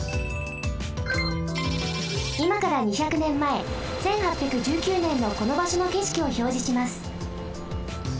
いまから２００ねんまえ１８１９ねんのこのばしょのけしきをひょうじします。